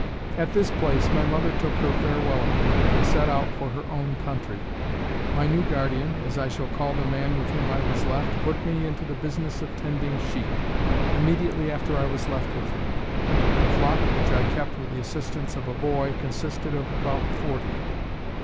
At this place my mother took her farewell of me, and set out for her own country. My new guardian, as I shall call the man with whom I was left, put me into the business of tending sheep, immediately after I was left with him. The flock which I kept with the assistance of a boy, consisted of about forty.